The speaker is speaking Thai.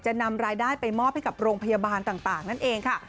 นำรายได้ไปมอบให้กับโรงพยาบาลต่างนั่นเองค่ะ